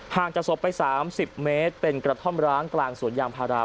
จากศพไป๓๐เมตรเป็นกระท่อมร้างกลางสวนยางพารา